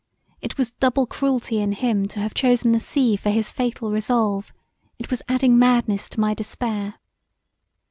it was double cruelty in him to have chosen the sea for his fatal resolve; it was adding madness to my despair.